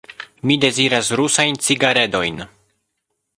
Mi deziras rusajn cigaredojn.